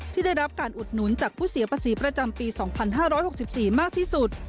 ที่ได้รับการอุดหนุนจากผู้เสียภาษีประจำปี๒๕๖๔มากที่สุด